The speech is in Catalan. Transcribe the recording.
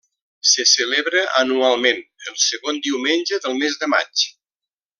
Se celebra anualment, el segon diumenge del mes de maig.